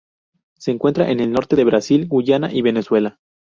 Se encuentra en el norte de Brasil, Guyana y Venezuela.